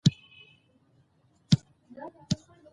افغانستان ښایسته او زړه راښکونکې تاریخ لري